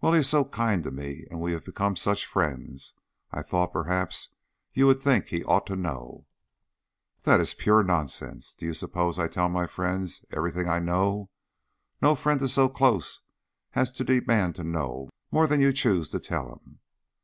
"Well, he is so kind to me and we have become such friends, I thought perhaps you would think he ought to know." "That is pure nonsense. Do you suppose I tell my friends everything I know? No friend is so close as to demand to know more than you choose to tell him."